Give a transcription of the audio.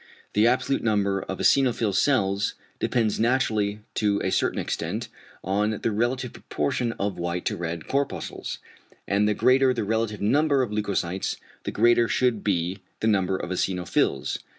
The absolute number of eosinophil cells depends naturally to a certain extent on the relative proportion of white to red corpuscles, and the greater the relative number of leucocytes, the greater should be the number of eosinophils.